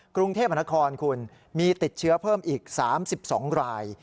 กรุงเทพมหานครคุณมีติดเชื้อเพิ่มอีก๓๒ราย